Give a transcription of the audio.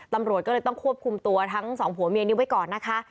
ตำรวจก็เลยต้องควบคุมตัวทั้งสองผัวเมียนี้ไว้ก่อนนะคะ